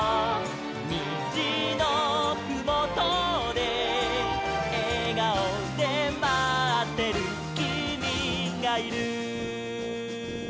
「にじのふもとでえがおでまってるきみがいる」